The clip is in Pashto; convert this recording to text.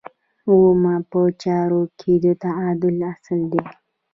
اووم په چارو کې د تعادل اصل دی.